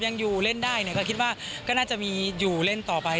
ยังอยู่เล่นได้เนี่ยก็คิดว่าก็น่าจะมีอยู่เล่นต่อไป